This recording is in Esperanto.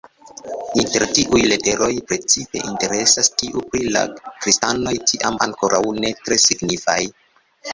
Inter tiuj leteroj precipe interesas tiu pri la kristanoj, tiam ankoraŭ ne tre signifaj.